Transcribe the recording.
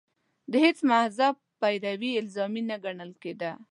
د هېڅ مذهب پیروي الزامي نه ګڼل کېده